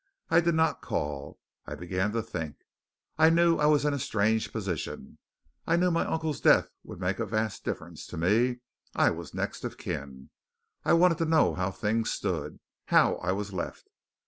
I did not call. I began to think. I knew I was in a strange position. I knew my uncle's death would make a vast difference to me. I was next of kin. I wanted to know how things stood how I was left.